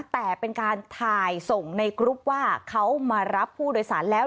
แต่เป็นการถ่ายส่งในกรุ๊ปว่าเขามารับผู้โดยสารแล้ว